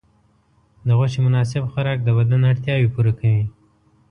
د غوښې مناسب خوراک د بدن اړتیاوې پوره کوي.